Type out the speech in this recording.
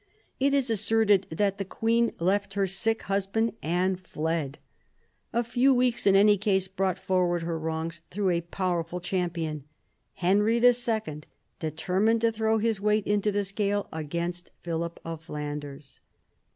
It is asserted that the queen left her sick husband and fled. A few weeks in any case brought forward her wrongs through a power ful champion. Henry II. determined to throw his weight into the scale against Philip of Flanders.